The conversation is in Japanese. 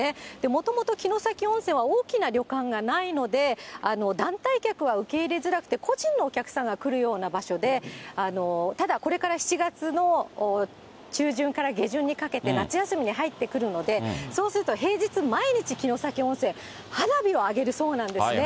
もともと城崎温泉は大きな旅館がないので、団体客は受け入れづらくて、個人のお客さんが来るような場所で、ただ、これから７月の中旬から下旬にかけて、夏休みに入ってくるので、そうすると、平日、毎日、城崎温泉、花火を上げるそうなんですね。